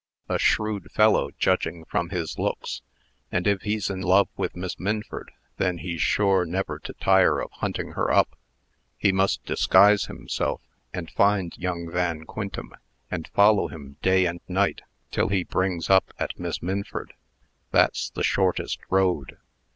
A shrewd fellow, judging from his looks; and, if he's in love with Miss Minford, then he's sure never to tire of hunting her up. He must disguise himself, and find young Van Quintem, and follow him day and night, till he brings up at Miss Minford. That's the shortest road.